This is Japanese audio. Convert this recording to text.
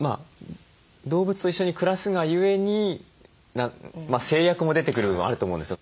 動物と一緒に暮らすがゆえに制約も出てくるのもあると思うんですけど。